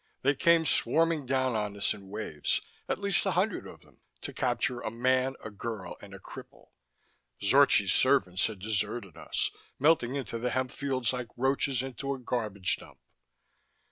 They came swarming down on us in waves, at least a hundred of them, to capture a man, a girl and a cripple Zorchi's servants had deserted us, melting into the hemp fields like roaches into a garbage dump.